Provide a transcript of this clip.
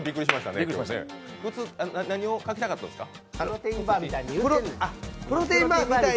何を書きたかったんですか？